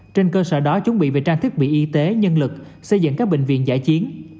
trên cơ sở đó chuẩn bị về trang thiết bị y tế nhân lực xây dựng các bệnh viện giải chiến